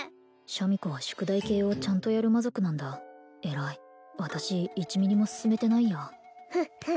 シャミ子は宿題系をちゃんとやる魔族なんだえらい私１ミリも進めてないやフッフ